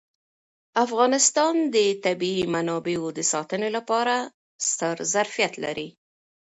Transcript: افغانستان د طبیعي منابعو د ساتنې لپاره ستر ظرفیت لري.